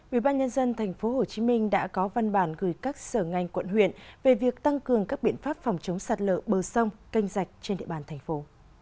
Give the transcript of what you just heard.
ubnd tp hcm đã có văn bản gửi các sở ngành quận huyện về việc tăng cường các biện pháp phòng chống sạt lỡ bờ sông canh rạch trên địa bàn thành phố